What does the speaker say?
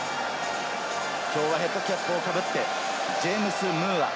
きょうはヘッドキャップをかぶってジェームス・ムーア。